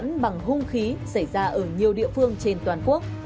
tình trạng hung khí xảy ra ở nhiều địa phương trên toàn quốc